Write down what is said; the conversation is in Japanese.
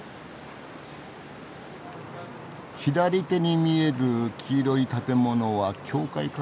左手に見える黄色い建物は教会かな。